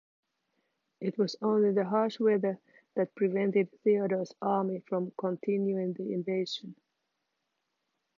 It was only the harsh weather that prevented Theodore's army from continuing the invasion.